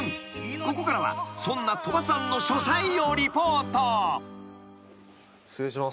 ［ここからはそんな鳥羽さんの書斎をリポート］失礼します。